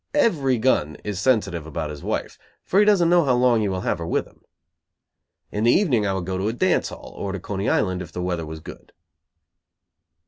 Every gun is sensitive about his wife, for he doesn't know how long he will have her with him. In the evening I would go to a dance hall; or to Coney Island if the weather was good.